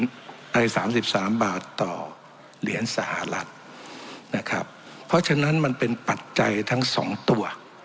ไอสามสิบสามบาทต่อเหรียญสหรัฐนะครับเพราะฉะนั้นมันเป็นปัจจัยทั้งสองตัว